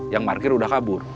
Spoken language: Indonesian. yang markir udah kabur